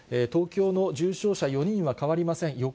東京の重症者４人は変わりません。